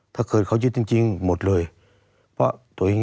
ถ้าเกิดเขายึดจริงหมดเลย